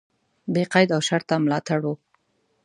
بې قید او شرطه ملاتړ و.